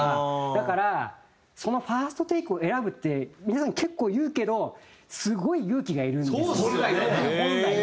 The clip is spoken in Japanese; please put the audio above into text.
だからそのファーストテイクを選ぶって皆さん結構言うけどすごい勇気がいるんですよ本来は。